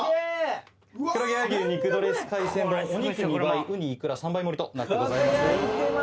黒毛和牛肉ドレス海鮮丼お肉２倍うにいくら３倍盛りとなってございます。